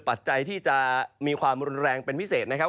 ปัจจัยที่จะมีความรุนแรงเป็นพิเศษนะครับ